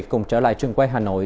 cùng trở lại trường quay hà nội